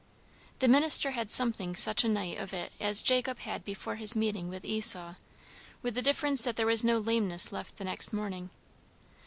The minister had something such a night of it as Jacob had before his meeting with Esau; with the difference that there was no lameness left the next morning.